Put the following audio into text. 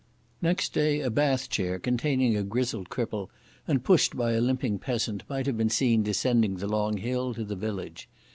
Next day a bath chair containing a grizzled cripple and pushed by a limping peasant might have been seen descending the long hill to the village.